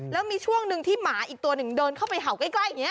แล้วมีช่วงหนึ่งที่หมาอีกตัวหนึ่งเดินเข้าไปเห่าใกล้อย่างนี้